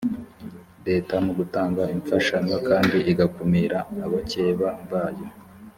leta mu gutanga imfashanyo kandi igakumira abakeba bayo